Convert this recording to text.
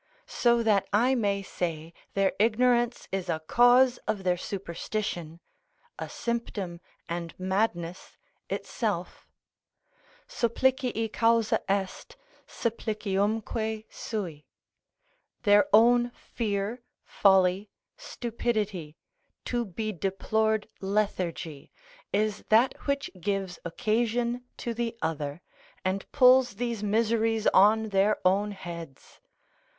So that I may say their ignorance is a cause of their superstition, a symptom, and madness itself: Supplicii causa est, sappliciumque sui. Their own fear, folly, stupidity, to be deplored lethargy, is that which gives occasion to the other, and pulls these miseries on their own heads.